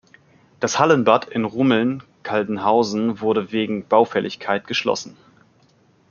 Das Hallenbad in Rumeln-Kaldenhausen wurde wegen Baufälligkeit geschlossen.